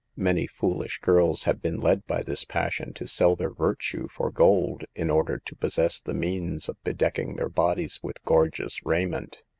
Many foolish girls have been led by this passion to sell their virtue for gold, in order to possess the means of bedeck ing their bodies with gorgeous raiment.